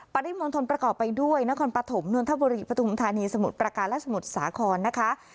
ปริมณฑลประกอบไปด้วยนครปฐมนวลธบุรีปฐุมธานีสมุทรประการและสมุทรสาครนะคะ